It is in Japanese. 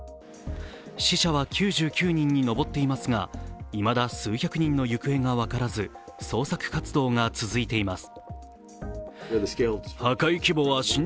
死者は９９人に上っていますがいまだ数百人の行方が分からず捜索活動が続いています。